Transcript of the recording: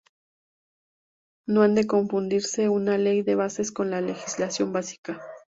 No ha de confundirse una ley de bases con la legislación básica.